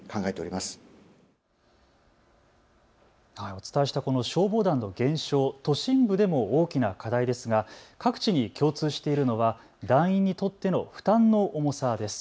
お伝えしたこの消防団の減少、都心部でも大きな課題ですが各地に共通しているのは団員にとっての負担の重さです。